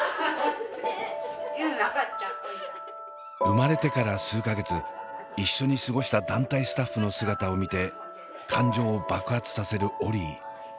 生まれてから数か月一緒に過ごした団体スタッフの姿を見て感情を爆発させるオリィ。